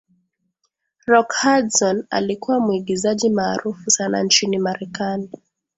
rock hudson alikuwa muigizaji maarufu sana nchini marekani